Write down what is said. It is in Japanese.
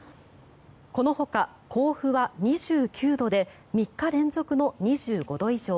このほか、甲府は２９度で３日連続の２５度以上。